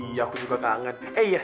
iya aku juga kangen